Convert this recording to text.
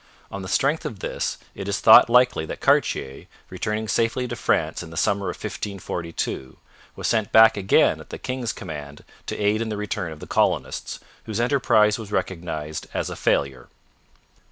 On the strength of this, it is thought likely that Cartier, returning safely to France in the summer of 1542, was sent back again at the king's command to aid in the return of the colonists, whose enterprise was recognized as a failure.